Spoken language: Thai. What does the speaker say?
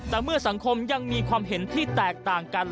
แต่เมื่อสังคมยังมีความเห็นที่แตกต่างกัน